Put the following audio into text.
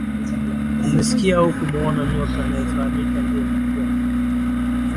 mmemsikia au kumuona nyoka anayefahamika ndiye mkubwa